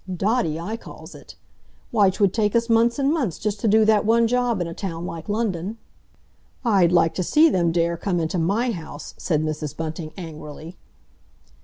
Dotty, I calls it! Why, 'twould take us months and months just to do that one job in a town like London." "I'd like to see them dare come into my house!" said Mrs. Bunting angrily.